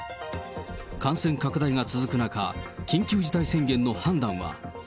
感染拡大が続く中、緊急事態宣言の判断は。